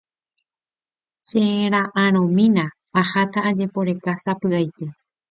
Chera'ãrõmína aháta ajeporeka sapy'aite